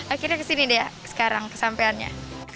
akhirnya kesini deh sekarang kesampeannya